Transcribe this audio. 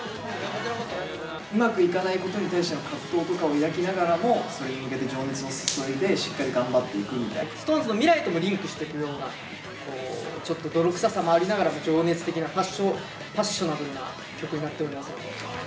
うまくいかないことに対しての葛藤とかを抱きながらも、それに向けて情熱を注いで、しっかり頑張っていくみたいな。ＳｉｘＴＯＮＥＳの未来ともリンクしていくような、ちょっと泥臭さもありながらも情熱的な、パッショナブルな曲になっておりますので。